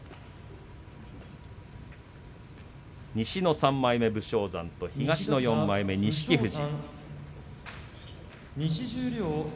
西の３枚目武将山と東の４枚目錦富士。